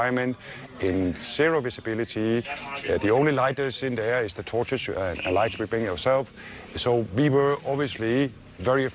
เราก็ได้ข้าระกายว่าถ้าแผ่นกว่าเค้าทำได้อะไร